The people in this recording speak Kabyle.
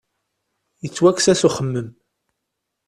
Yettwakkes-as uxemmem.